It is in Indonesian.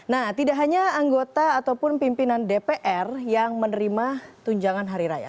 nah tidak hanya anggota ataupun pimpinan dpr yang menerima tunjangan hari raya